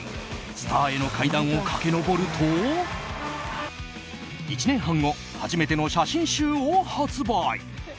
スターへの階段を駆け上ると１年半後、初めての写真集を発売。